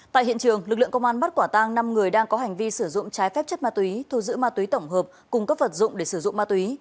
tại hiện trường lực lượng công an bắt quả tang năm người đang có hành vi sử dụng trái phép chất ma túy thu giữ ma túy tổng hợp cùng các vật dụng để sử dụng ma túy